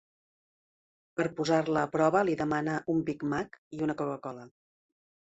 Per posar-la a prova, li demana un Big Mac i una Coca-Cola.